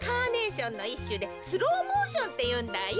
しゅでスローモーションっていうんだよ。